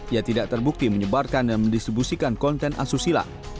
ia tidak terbukti menyebarkan dan mendistribusikan konten asusila